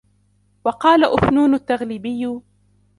وَقَالَ أُفْنُونُ التَّغْلِبِيُّ